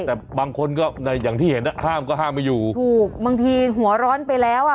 แต่บางคนก็ในอย่างที่เห็นอ่ะห้ามก็ห้ามไม่อยู่ถูกบางทีหัวร้อนไปแล้วอ่ะ